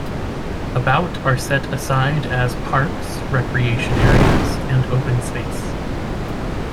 About are set aside as parks, recreation areas, and open space.